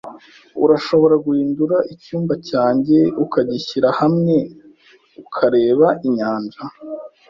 Urashobora guhindura icyumba cyanjye ukagishyira hamwe ukareba inyanja?